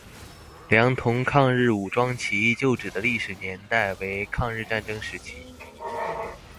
良垌抗日武装起义旧址的历史年代为抗日战争时期。